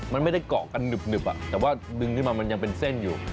มันไม่ได้เกาะกันหนึบแต่ว่าดึงขึ้นมามันยังเป็นเส้นอยู่